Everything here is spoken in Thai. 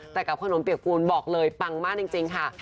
แต่กับขนมเปียกปูนบอกเลยปังมากจริงค่ะ